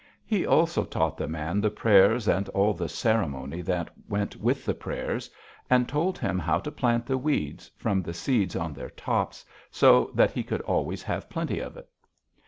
He also taught the man the prayers and all the ceremony that went with the prayers; and told him how to plant the weeds, from the seeds on their tops, so that he could always have plenty of it.